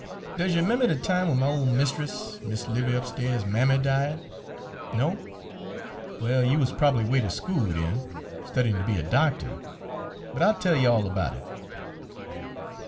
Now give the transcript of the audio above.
Does you 'member de time w'en my ole mist'ess, Mis' 'Livy upstairs's mammy, died? No? Well, you wuz prob'ly 'way ter school den, studyin' ter be a doctuh. But I'll tell you all erbout it.